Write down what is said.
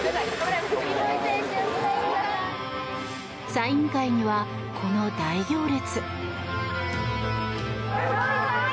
サイン会には、この大行列。